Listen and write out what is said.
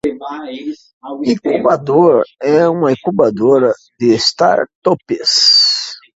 Incubator é uma incubadora de startups.